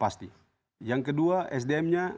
pasti yang kedua sdm nya